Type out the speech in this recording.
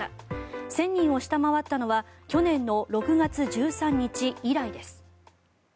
１０００人を下回ったのは去年の６月１３日以来です。